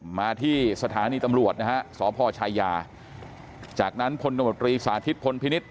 มาที่สถานีตำรวจนะฮะสพชัยยาจากนั้นพศพนพิณิษฐ์